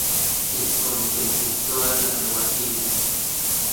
Ijkon ken kijtoa tlanauatili.